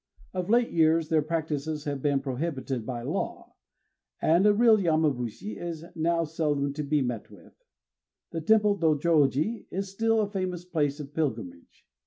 Of late years their practices have been prohibited by law; and a real Yamabushi is now seldom to be met with. The temple Dôjôji is still a famous place of pilgrimage.